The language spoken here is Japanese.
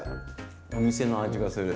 お店の味がする。